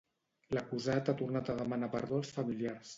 L'acusat ha tornat a demanar perdó als familiars.